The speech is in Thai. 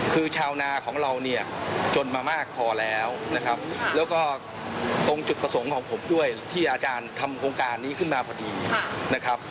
คือชาวนาของเราเนี่ยจนมามากพอแล้วนะครับแล้วก็ตรงจุดประสงค์ของผมด้วยที่อาจารย์ทำโครงการนี้ขึ้นมาพอดีนะครับ